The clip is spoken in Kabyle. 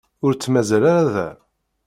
Ur tt-mazal ara da.